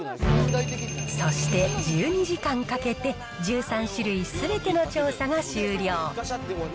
そして１２時間かけて、１３種類すべての調査が終了。